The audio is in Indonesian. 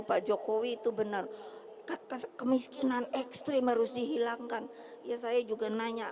pak jokowi itu benar kata kemiskinan ekstrim harus dihilangkan ya saya juga nanya